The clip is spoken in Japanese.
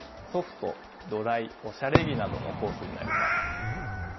「ソフト」「ドライ」「おしゃれ着」などのコースになります。